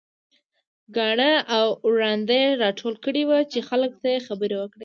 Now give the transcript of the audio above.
کاڼه او ړانده يې راټول کړي وو چې خلک ته خبرې وکړي.